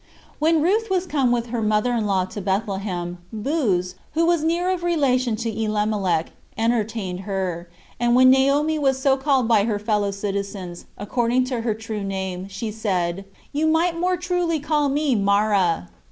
2. When Ruth was come with her mother in law to Bethlehem, Booz, who was near of kin to Elimelech, entertained her; and when Naomi was so called by her fellow citizens, according to her true name, she said, "You might more truly call me Mara."